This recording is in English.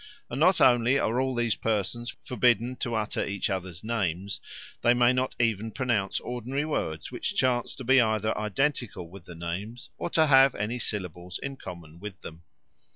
And not only are all these persons forbidden to utter each other's names; they may not even pronounce ordinary words which chance to be either identical with these names or to have any syllables in common with them.